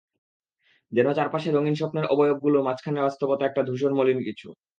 যেন চারপাশে রঙিন স্বপ্নের অবয়বগুলোর মাঝখানে বাস্তবতা একটা ধূসর, মলিন কিছু।